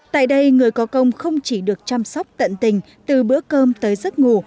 tại đây người có công không chỉ được chăm sóc tận tình từ bữa cơm tới giấc ngủ